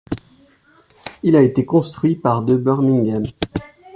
Il a été construit par de Birmingham.